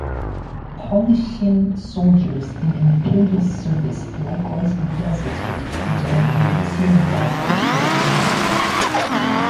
Paulician soldiers in imperial service likewise deserted during Alexios' battles with the Normans.